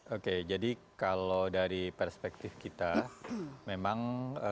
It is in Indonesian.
oke jadi kalau dari perspektif kita memang